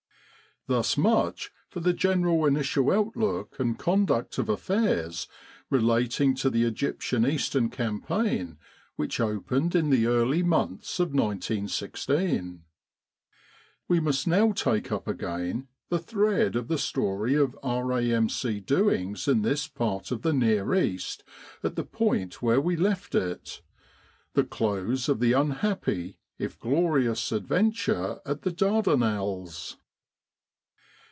Thus much for the general initial outlook and con duct of affairs relating to the Egyptian Eastern Campaign which opened in the early months of 1916. We must now take up again the thread of the story of R.A.M.C. doings in this part of the Near East at the point where we left itthe close 87 With the R.A.M.C. in Egypt of the unhappy, if glorious, adventure at the Dar danelles.